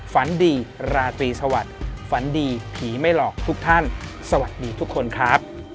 ฝันดีราตรีสวัสดิ์ฝันดีผีไม่หลอกทุกท่านสวัสดีทุกคนครับ